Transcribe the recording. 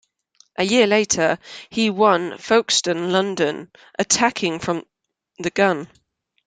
A year later, he won Folkestone-London, attacking from the gun.